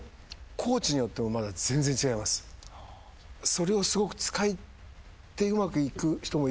それをすごく使ってうまくいく人もいるし